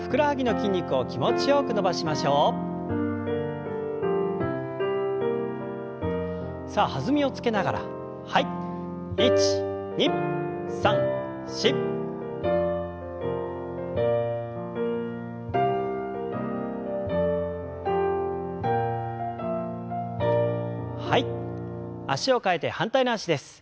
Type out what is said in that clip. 脚を替えて反対の脚です。